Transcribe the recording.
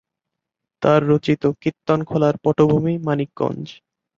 তার রচিত কিত্তনখোলা’র পটভূমি মানিকগঞ্জ।